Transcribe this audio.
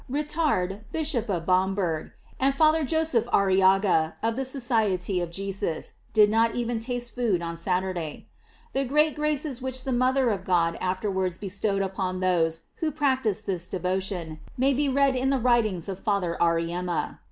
Rittard, Bishop of Bamberg, and Father Joseph Arriaga, of the Society of Jesus, did not even taste food on Saturday. The great graces which the mother of God after wards bestowed upon those who practised this devotion, may be read in the writings of Father Auriemma.